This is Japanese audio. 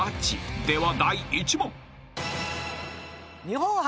［では第１問］